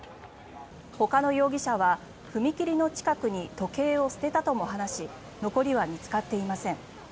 ほかの容疑者は、踏切の近くに時計を捨てたとも話し残りは見つかっていません。